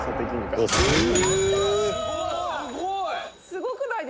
「すごい！」